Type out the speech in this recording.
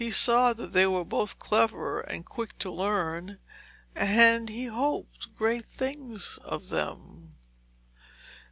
He saw that they were both clever and quick to learn, and he hoped great things of them.